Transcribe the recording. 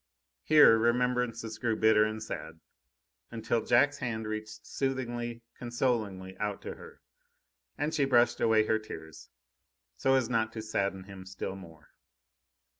Here remembrances grew bitter and sad, until Jack's hand reached soothingly, consolingly out to her, and she brushed away her tears, so as not to sadden him still more.